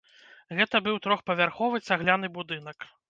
Гэта быў трохпавярховы цагляны будынак.